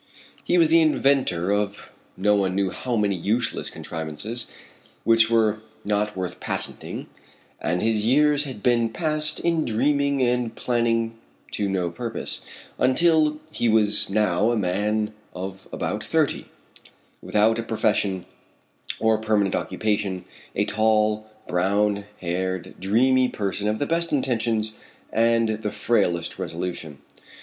He was the inventor of no one knew how many useless contrivances, which were not worth patenting, and his years had been passed in dreaming and planning to no purpose; until he was now a man of about thirty, without a profession or a permanent occupation, a tall, brown haired, dreamy person of the best intentions and the frailest resolution.